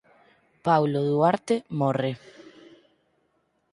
Paulo Duarte morre.